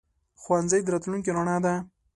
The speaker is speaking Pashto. ښوونځی د راتلونکي رڼا ده.